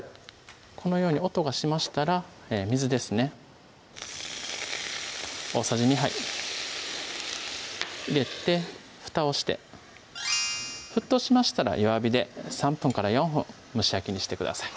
このように音がしましたら水ですね大さじ２杯入れて蓋をして沸騰しましたら弱火で３分から４分蒸し焼きにしてください